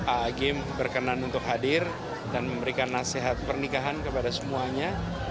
a'agim berkenan untuk hadir dan memberikan nasihat pernikahan kepada semuanya